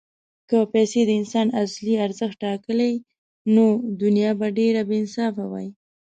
که پیسې د انسان اصلي ارزښت ټاکلی، نو دنیا به ډېره بېانصافه وای.